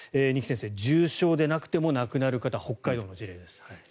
二木先生、重症でなくても亡くなる方、北海道の事例です。